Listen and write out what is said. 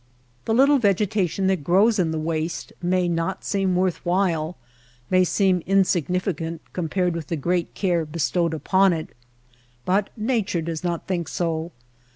The little vegetation that grows in the waste may not seem worth while, may seem insignificant compared with the great care bestowed upon it. But Nature does not think so.